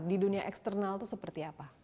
di dunia eksternal itu seperti apa